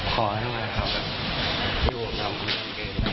ขอทุกคนค่ะครับที่ผมทำคุณมากเกินไปแล้ว